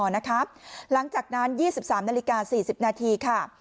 หลังจากนั้น๒๓นาฬิกา๔๐นาทีค่ะ